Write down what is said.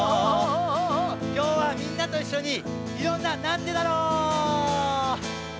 きょうはみんなといっしょにいろんな「なんでだろう」！